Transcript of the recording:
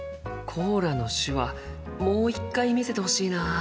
コーラの手話もう一回見せてほしいなあ。